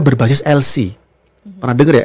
berbasis lc pernah dengar ya